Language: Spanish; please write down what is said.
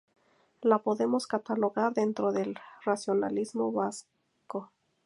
La podemos catalogar dentro del racionalismo vasco.